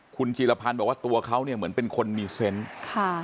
คุณจีรพันธ์บอกว่าตัวเขาเนี่ยเหมือนเป็นคนมีเซนต์ค่ะ